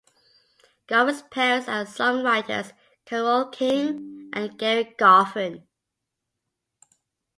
Goffin's parents are songwriters Carole King and Gerry Goffin.